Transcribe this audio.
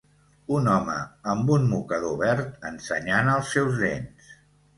Un home amb un mocador verd ensenyant els seus dents.